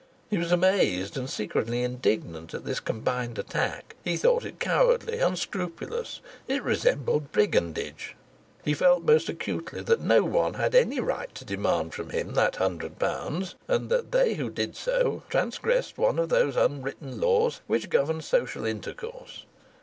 He was amazed and secretly indignant at this combined attack. He thought it cowardly, unscrupulous; it resembled brigandage. He felt most acutely that no one had any right to demand from him that hundred pounds, and that they who did so transgressed one of those unwritten laws which govern social intercourse.